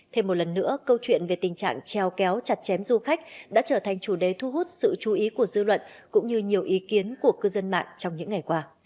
thêm một lần nữa câu chuyện về tình trạng treo kéo chặt chém du khách đã trở thành chủ đề thu hút sự chú ý của dư luận cũng như nhiều ý kiến của cư dân mạng trong những ngày qua